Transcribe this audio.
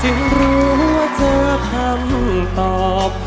จึงรู้ว่าเจอคำตอบ